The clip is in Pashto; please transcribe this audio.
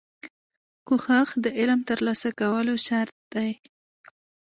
کوښښ د علم ترلاسه کولو شرط دی.